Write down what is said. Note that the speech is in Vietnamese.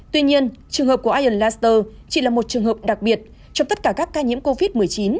tuy nhiên trường hợp của ion laster chỉ là một trường hợp đặc biệt trong tất cả các ca nhiễm covid một mươi chín